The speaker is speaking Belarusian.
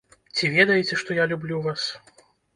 Ці ведаеце, што я люблю вас?